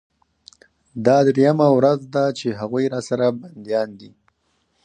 دا درېيمه ورځ ده چې هغوى راسره بنديان دي.